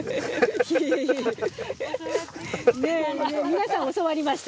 皆さん教わりました。